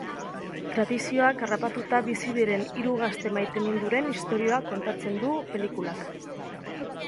Tradizioak harrapatuta bizi diren hiru gazte maiteminduren istorioa kontatzen du pelikulak.